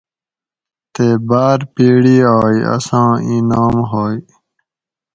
تے باۤر پیڑی آئ اساں اِیں نام ہوئ